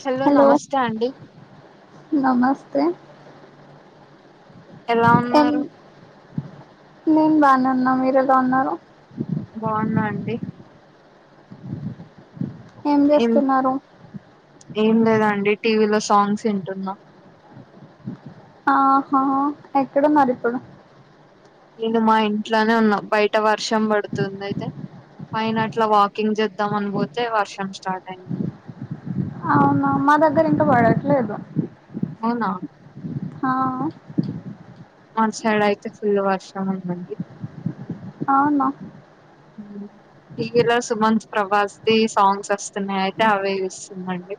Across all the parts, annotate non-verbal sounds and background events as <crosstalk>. Hello నమస్తే అండి నమస్తే ఎలా ఎం ఉన్నారు నేను బానే ఉన్న మీరు ఎలా ఉన్నారు బావున్నా అండి ఏం ఏం లేదండి టీవీలో సాంగ్స్ ఇంటున్నా ఆహా ఎక్కడున్నారు ఇప్పుడు నేను మా ఇంట్లోనే ఉన్నా బయట వర్షం పడుతుంది అయితే పైన అట్ల వాకింగ్ జేద్దాం అని పోతే వర్షం స్టార్ట్ అయింది అవునా మా దగ్గర ఇంక పడట్లేదు. అవునా హా అటు సైడైతే ఫుల్ వర్షం ఉందండి అవునా టివిలో సుమంత్ ప్రభాస్ ది సాంగ్స్ వస్తున్నాయి అయితె అవే చూస్తున్నా అండి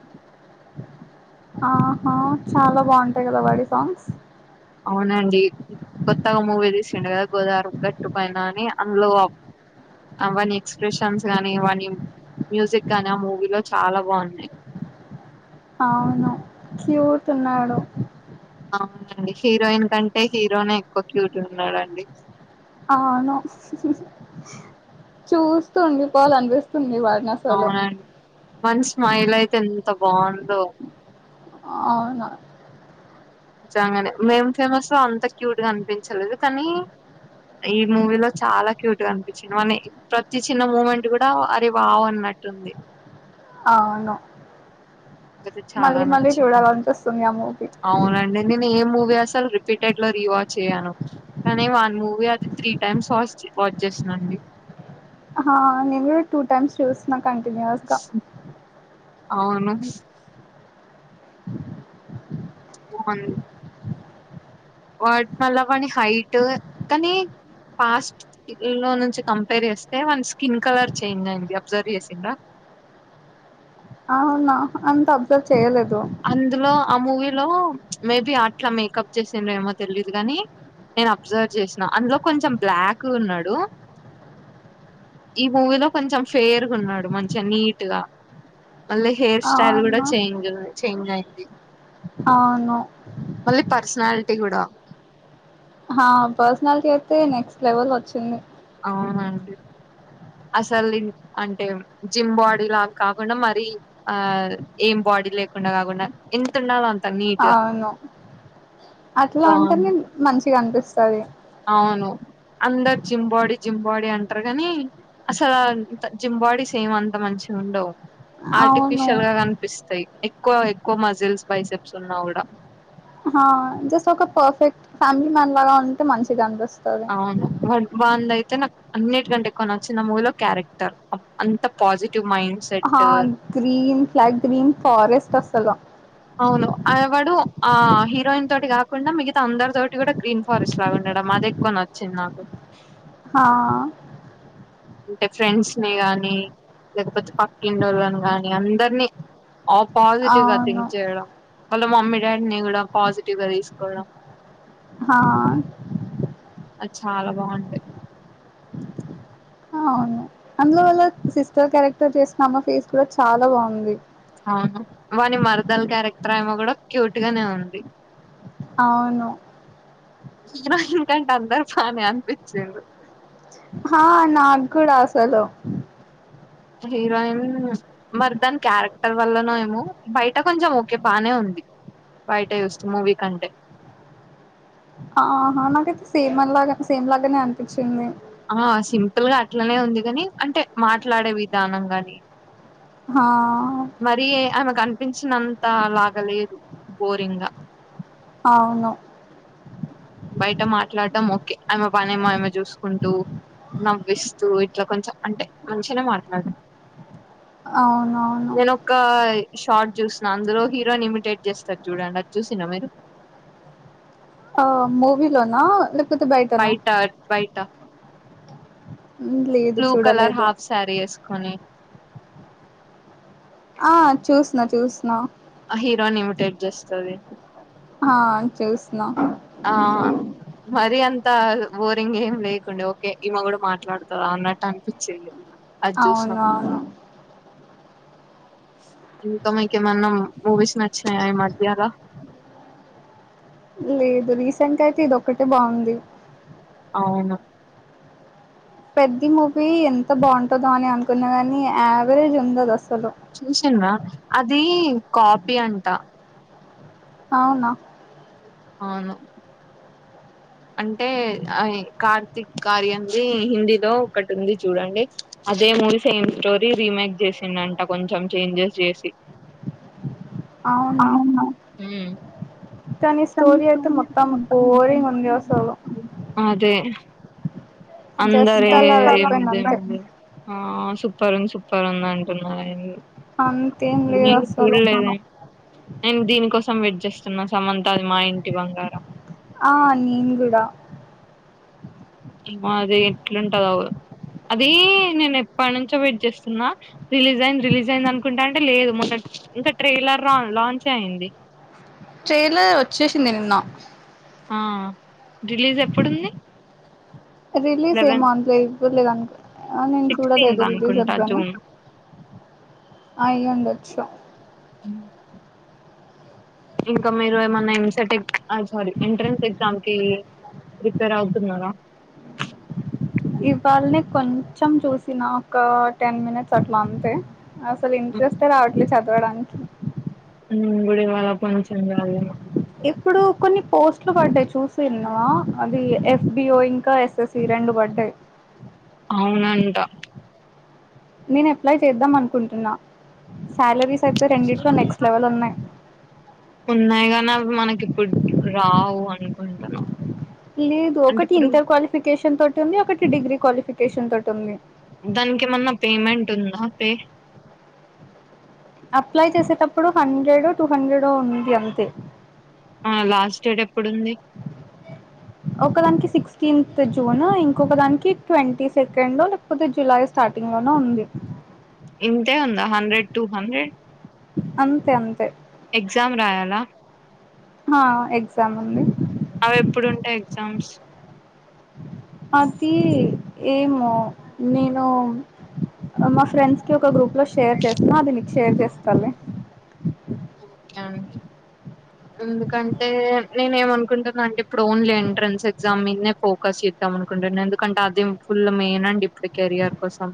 ఆహా చాలా బావుంటాయి గదా వాడి సాంగ్స్ అవునండి కొత్తగా మూవీ తీసిండు కదా గోదారిగట్టు పైన అని అందులో వాని ఎక్స్ప్రెషన్స్ గానీ, వాని మ్యూజిక్ గాని ఆ మూవీలో చాలా బాగున్నాయి. అవును క్యూట్ ఉన్నాడు అవునండి హీరోయిన్ కంటే హీరోనే ఎక్కువ క్యూట్ ఉన్నాడండి అవును చూస్తు ఉండి పోవాలనిపిస్తుంది వాడిన అవునండి వాని స్మైల్ అయితే ఎంత బాగుందో అవున నిజంగానే మేం ఫేమస్ లో అంత క్యూట్ గా అనిపించలేదు కనీ ఈ మూవీ లో చాలా క్యూట్ గా అనిపించింది వాని ప్రతి చిన్న మూమెంట్ కూడా అరె వావ్ అన్నట్టుంది అవును అయితే చాలా మళ్ళీ మళ్ళీ నచ్చిందండి చూడాలనిపిస్తుంది ఆ మూవీ అవునండి నేను ఏం మూవీ అసలు రిపీటెడ్ లో రీవాచ్ చేయ్యను కానీ వాన్ మూవీ అది త్రీ టైమ్స్ వాస్ వాచ్ చేసినండి హా నేను కూడా టూ టైమ్స్ చూసిన కంటిన్యూస్ గా అవును బాగుంది వాడు మల్ల వాని హైటు కానీ పాస్ట్ లో నుంచి కంపేర్ చేస్తే వాని స్కిన్ కలర్ చేంజ్ అయింది అబ్జర్వ్ చేసింర అవునా అంత అబ్జర్వ్ చేయలేదు అందులో ఆ మూవీలో మేబి అట్లా మేకప్ చేసింరేమో తెలీదు కాని నేను అబ్జర్వ్ చేసినా అందులో కొంచెం బ్లాక్గ ఉన్నడు ఈ మూవీలో కొంచెం ఫేర్గా ఉన్నాడు మంచిగా నీట్ గా మళ్ళ హెయిర్ స్టైల్ కూడా అవునా చేంజ్ ఉంది చేంజ్ అయింది అవును మళ్ళీ పర్సనాలిటీ కూడా ఆ పర్సనాలిటీ అయితే నెక్స్ట్ లెవెల్ వచ్చింది అవునండి అసలు అంటే జిమ్ బాడీ లాగ కాకుండా మరి ఆ ఏం బాడీ లేకుండా కాకుండా ఇంతుండాలో అంత నీట్ గా అవును అట్లా ఉంటేనే బాగుంది మంచిగానిపిస్తది అవును అందరు జిమ్బాడీ జిమ్బాడీ అంటరు గాని అసలంత జింబాడీస్ ఏం అంత మంచిగుండవ్ అవును ఆర్టిఫిషియల్ గా కనిపిస్తాయి ఎక్కువ ఎక్కువ మజిల్స్ బైసెప్స్ ఉన్నా గూడా హ జస్ట్ ఒక పర్ఫెక్ట్ ఫ్యామిలీ మ్యాన్ లాగా ఉంటే మంచిగానిపిస్తాది అవును వ వాంది అయితే నాక్ అన్నిటికంటే ఎక్కువ నచ్చింది ఆ మూవిలో క్యారెక్టర్ అంత పాజిటివ్ మైండ్స్ హా గ్రీన్ ఫ్లక్ గ్రీన్ ఫోరెస్ట్ అసల అవును ఆవాడు ఆ హీరోయిన్ తోటి గాకుండా మిగతా అందరి తోటి గూడా గ్రీన్ ఫారెస్ట్ లాగా ఉండడా మాదే ఎక్కువ నచ్చింది నాకు హ ఆ అంటే ఫ్రెండ్స్ ని గానీ లేకపోతే పక్కింటోళ్ళని గాని అందరినీ ఆ పాజిటివ్ గా అవును థింక్ చేయడం వాళ్ళ మమ్మీ డాడీని గూడా పాజిటివ్ గా తీసుకోవడం హా ఆ అది చాలా బాగుంటయి అవును అందులో వల్ల సిస్టర్ క్యారెక్టర్ చేసినా ఆమె ఫేస్ గూడా చాలా బాగుంది అవును వాని మరదలు క్యారెక్టర్ ఆమే గూడా క్యూట్ గానే ఉంది అవును హీరోయిన్ కంటే అందరు బానే అనిపించిరు హా నాగూడ అసలు హీరోయిన్ మరి దాని క్యారెక్టర్ వల్లన ఏమో బయట కొంచెం ఓకే బానే ఉంది బయట జుస్తే మూవీ కంటే ఆహ నాకైతే సేమ్ అ లాగా సేమ్ లాగానే అనిపించింది ఆ సింపుల్ గా అట్లనే ఉంది గాని అంటే మాట్లాడే విధానం గాని హ ఆ మరి ఆమెకనిపించినంత లాగ లేదు బోరింగా అవును బయట మాట్లాడటం ఓకే ఆమె పని ఏమో చూసుకుంటూ నవ్విస్తూ ఇట్లా కొంచెం అంటే మంచినే మాట్లాడ అవునవును నేను ఒక షార్ట్ చూసిన అందులో హీరోన్ ఇమిటేట్ చేస్తార్ చూడండి అది చూసినా మీరు ఆ మూవీ లోనా లే బయటా బయటా మ్ లేద్ బ్లూ కలర్ హాఫ్ శారీ ఎసుకొని ఆ చూసిన్నా చూసిన్నా ఆ హీరోయిన్ నిమిటేట్ చేస్తది ఆ చూసిన్నా ఆ మరి అంత బోరింగ్ ఏం లేకుండే ఓకే ఈమ గూడా మాట్లాడుతదా అన్నట్టు అనిపించింది అ అజుసినామ్ ఇంకా మీకేమన్నాం మూవీస్ నచ్చినాయ ఈ మధ్యగ లేదు రీసెంట్ గా అయితే ఇది ఒక్కటే బాగుంది అవున పెద్ద మూవీ ఎంత బాగుంటందో అని అనుకున్నా గాని ఆవరేజ్ ఉంది అది అసలు చూసిన్రా అది కాపీ అంట అవునా అవును అంటే కార్తీక్ కార్యంది హిందీలో ఒకటి ఉంది చూడండి అదే మూవీ సేమ్ స్టోరీ రీమేక్ చేసిండంట కొంచెం చేంజెస్ చేసి అవునా కానీ స్టోరీ అయితే మొత్తం బోరింగ్ ఉంది అసలు అదే అందరి జస్ట్ అలా ఏ వెళ్ళిపోయింది ముందే అంతే ఆ సూప్పర్ ఉంది సూప్పర్ ఉంది అంటున్నారు ఆ అంతేం మూవీ లేదు ఏ మూవీ అసలు చూడలేదే నేను దీనికోసం వెట్ చేస్తున్నా సమంతది మా ఇంటి బంగారం ఆ నేను కూడా అది ఎట్లుంటదో అవు అది నేను ఎప్పటి నుంచో వెయిట్ చేస్తున్నా రిలీజ్ అయింది రిలీజ్ అయింది అనుకుంటా అంటే లేదు మొ ఇంకా ట్రైలర్రా లాంచ్ ఐంది ట్రెలర్ ఓచ్చేసింధి నిన్న ఆ రిలీజ్ ఎప్పుడుంది రిలీజ్ ఏమో లెవెన్ అంతలో ఇవ్వలేదు అనుకో నేను చూడలేదు సిక్స్టీన్త్ రిలీజ్ అనుకుంటా ఎప్పుడని జూన్ అయి ఉండొచ్చు ఇ ఇంకా మీరు ఏమన్నా ఎంసటెక్ ఐమ్ సారీ ఎంట్రెన్స్ ఎగ్జామ్ కి ప్రీపేర్ అవుతున్నారా ఇవాల్నే కొంచెం చూసినా ఒక టెన్ మినిట్స్ అట్లా అంతే అసలు ఇంట్రెస్టే రావట్లే చదవడానికి గుడివాడ అప్పటినుంచి నేను చదివిన ఇప్పుడు కొన్ని పోస్ట్లు పడ్డాయి చూసిన్నా అద ఎఫ్ బి ఓ ఇంకా ఎస్ రెండు బడ్డయి అవునంట నేను అప్లై చేద్దాం అనుకుంటున్నా సాలరీస్ అయితే రెండిట్లో నెక్స్ట్ లెవెల్ ఉన్నాయి ఉన్నాయిగానీ అవి మనకి ఇప్పుడు రావు అనుకుంటున్నా లేదు అంటే ఒకటి ఇప్పుడు ఇంటర్ క్వాలిఫికేషన్ తోటి ఉంది ఒకటి డిగ్రీ క్వాలిఫికేషన్ తోటి ఉంది దానికి ఏమన్నా పేమెంట్ ఉందా పే అప్లై చేసేటప్పుడు హండ్రెడ్ టూ హండ్రెడ్ ఉంది అంతే ఆవునా లాస్ట్ డేట్ ఎప్పుడు ఉంది ఒకదానికి సిక్స్టీన్త్ జూన్ ఇంకొక దానికి ట్వంటీ సెకండ్ లే పోతే జులై స్టార్టింగ్ లోన ఉంది ఇంతే ఉందా హండ్రెడ్ టూ హండ్రెడ్ అంతే అంతే ఎగ్జామ్ రాయాల హా ఎగ్జామ్ ఉంది అవి ఎప్పుడుంటాయి ఎగ్జామ్స్ అదీ ఏమో నేను మా ఫ్రెండ్స్ కి ఒక గ్రూప్ లో షేర్ చేస్తా అది నీక్ షేర్ చేస్తాలే ఒకే అండి ఎందుకంటే నేను ఎం అనుకుంటున్నా అంటే ఇప్పుడు ఓన్లే ఎంట్రన్స్ ఎగ్జామ్ మీదనే ఫో కస్ చేద్దాం అనుకుంటున్న ఎందుకంటే అదే ఫుల్ మెయిన్ అండి ఇప్పుడు కెరియర్ కోసం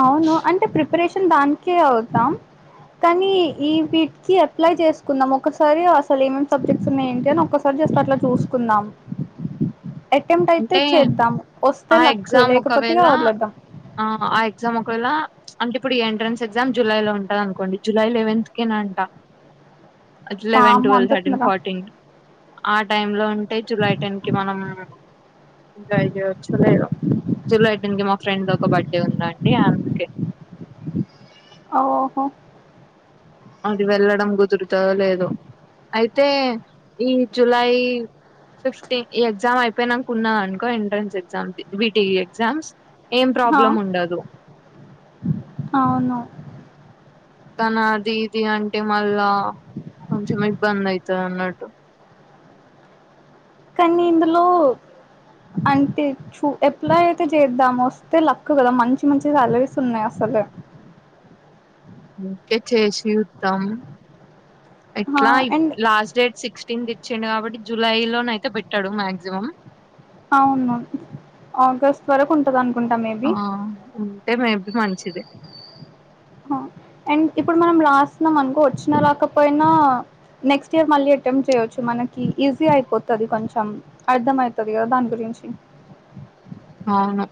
అవును అంటే ప్రిపరేషన్ దానికే అవుతాం కానీ ఈ వీటికి అ అప్లై చేసుకుందాం ఒకసారి అసలు ఏమేం సబ్జెక్ట్స్ ఉన్నాయి ఏంటి అని ఒకసారి జస్ట్ అట్లా చూసుకుందాం అటెంప్ట్ అయితే అంటే చేద్దాం వస్తే ఆ లక్కు ఎగ్జామ్ లేకపోతే ఇగ ఒకవేళ వదిలేద్దాం ఆ ఆ ఎగ్జామ్ ఒక వేలా అంటే ఇప్పుడు ఈ ఎంట్రన్స్ ఎగ్జామ్ జూలై లో ఉంటది అనుకోండి జులై లెవెంత్ కేనంట అట్ లెవెన్ వామ్మో ట్వల్వ్ అంత థర్టీన్ తొందర ఫార్టీన్ ఆ టైమ్ లో ఉంటే జూలై టెన్ కి మనం <unintelligible> జూలై టెన్ కి మా ఫ్రెండ్ ది ఒక బర్త్డే ఉంది అండి అందుకే ఓహో అది వెళ్లడం గుదురుతాదో లేదో అయితే ఈ జులై ఫిఫ్టీన్ ఈ ఎగ్జామ్ అయిపోయినానుకున్నా అనుకో ఎంట్రన్స్ ఎగ్జామ్ ది బీటి ఎగ్జామ్స్ ఏం హా ప్రాబ్లం ఉండదు అవును తన అది ఇది అంటే మళ్ళా కొంచెం ఇబ్బంది అయితది అన్నట్టు కనీ ఇందులో అంటే ఫు అప్లై అయితే చేద్దాం వస్తే లక్ కదా మంచి మంచి సాలరీస్ ఉన్నాయి అసలే ఓకే చేసి చూద్దాం హా ఎట్లా ఇ and last date sixteenth ఇచ్చిండు కాబట్టి జులై లోన అయితే పెట్టడు మాక్సిమం అవును ఆగస్ట్ వరకు ఉంటుంది అనుకుంటా మే ఆ ఉంటే మేబి మంచిదే అండ్ ఇప్పుడు మనం రాస్తున్నాం అనుకో వచ్చినా రాకపోయినా నెక్స్ట్ ఇయర్ మళ్ళీ అటెంప్ట్ చేయొచ్చు మనకి ఈజీ అయిపోతది కొంచెం అర్థం అయితది కదా దాని గురించి ఆవును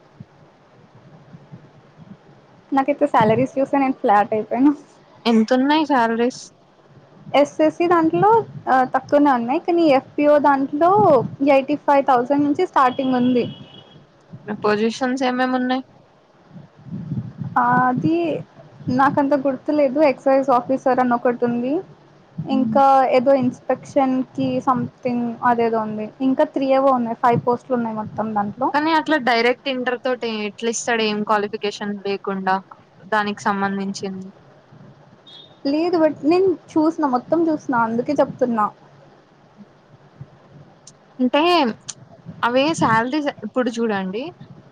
నాకైతే సాలరీస్ చూస్తే నేను ఫ్లాట్ అయిపోయాను ఎంతున్నాయి సాలరీస్ ఎస్ఎస్సి దాంట్లో ఆ తక్కువనే ఉన్నాయి కానీ ఎఫ్బిఓ దాంట్లో యైటిఫ్ ఫైవ్ థౌజండ్ నుంచి స్టార్టింగ్ ఉంది పొజిషన్స్ ఏమేమున్నాయ్ ఆది నాకంత గుర్తులేదు ఎక్సైజ్ ఆఫీసర్ అనొకటుంది ఇంకా ఏదో ఇన్స్పెక్షన్ కి సంథింగ్ అదేదో ఉంది ఇంకా త్రీ ఏవో ఉన్నయి ఫైవ్ పోస్ట్లున్నాయ్ మొత్తం దాంట్లో కానీ అట్లా డైరెక్ట్ ఇంటర్ తోటి ఎట్లిస్తాడు ఏం క్వాలిఫికేషన్ లేకుండా దానికి సంబంధించింది లేదు బట్ నేను చూస్న మొత్తం చూస్న అందుకే చెప్తున్నా అంటే అవే సాలరీస్ ఇప్పుడు జూడండి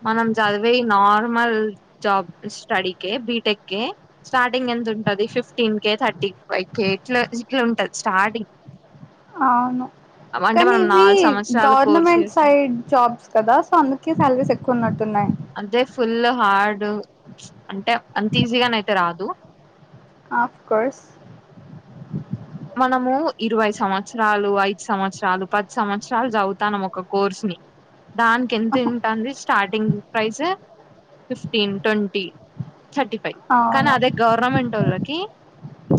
మనం జదివే నార్మల్ జాబ్ స్టడీకే బిటెక్కే స్టార్టింగ్ ఎంత ఉంటది fifteen K thirty five K ఇట్లా ఇట్లుంటది స్టార్టింగ్ అవును అంటే కాని మనం ఇవి నాలుగు సంవత్సరాలు కోర్సు గవర్నమెంట్ చేసి సైడ్ జాబ్స్ కదా సో అందుకే సాలరీస్ ఎక్కువ ఉన్నట్టున్నాయ్ అంతే ఫుల్ హార్డు అంటే అంత ఈజీగానైతే రాదు ఆఫ్ కోర్స్ మనము ఇరవై సంవత్సరాలు ఐదు సంవత్సరాలు పది సంవత్సరాలు చదువుతానం ఒక కోర్స్ని దాన్ ఎంత ఉంటాంది starting price fifteen twenty thirty five కానీ అవును అదే గవర్నమెంటోళ్ళకి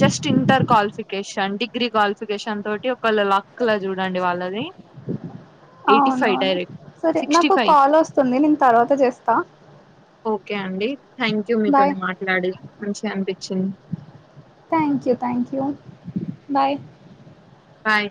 just inter qualification degree qualification తోటి ఒకళ లక్లా జూడండి వాళ్ళది ఎయిటీ ఫైవ్ అవునవును డైరెక్ట్ సరే సిక్స్టీ నాకో ఫైవ్ కాలోస్తుంది నేను తర్వాత చేస్తా ఓకే అండి థ్యాంక్యూ మీతోనే మాట్లాడి మంచిగనిపించింది థ్యాంక్యూ థ్యాంక్యూ బాయ్ బాయ్